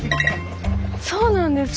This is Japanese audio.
そうなんですか？